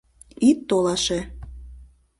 — Ит толаше!..